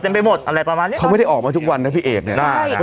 ไปหมดอะไรประมาณเนี้ยเขาไม่ได้ออกมาทุกวันนะพี่เอกเนี่ย